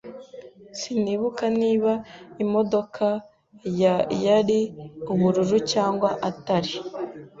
Sinibuka niba imodoka ya yari ubururu cyangwa atari.